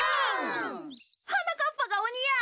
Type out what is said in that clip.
はなかっぱがおにや。